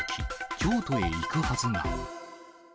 京都へ行くはずが。